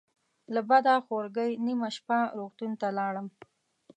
له بده خورګۍ نیمه شپه روغتون ته لاړم.